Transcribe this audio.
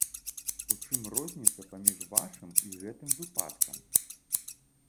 У чым розніца паміж вашым і гэтым выпадкам?